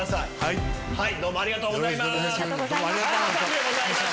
ありがとうございます。